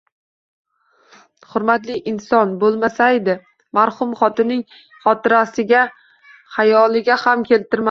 Hurmatli inson bo'lmasaydi, marhum xotinining xotirasini xayoliga ham keltirmasdi.